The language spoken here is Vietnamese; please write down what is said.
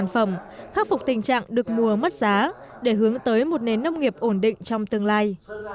phẩm khắc phục tình trạng được mùa mất giá để hướng tới một nền nông nghiệp ổn định trong tương lai